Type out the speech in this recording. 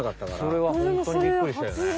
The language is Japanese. それはホントにびっくりしたよね。